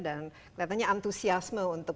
dan kelihatannya antusiasme untuk